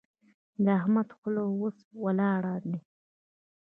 د احمد خوله او لاس ولاړ دي.